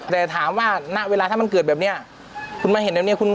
แต่ถามว่าณเวลาถ้ามันเกิดแบบนี้คุณมาเห็นแบบนี้คุณ